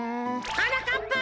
はなかっぱ！